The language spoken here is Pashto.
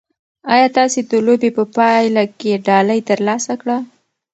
ایا تاسي د لوبې په پایله کې ډالۍ ترلاسه کړه؟